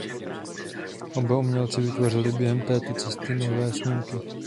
Oba umělci vytvořili během této cesty nové snímky.